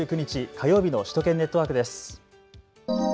火曜日の首都圏ネットワークです。